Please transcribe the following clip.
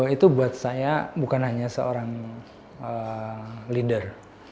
itu buat saya bukan hanya seorang leader